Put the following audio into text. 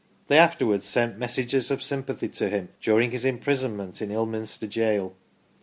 They afterwards sent messages of sympathy to him, during his imprisonment in Ilminster jail.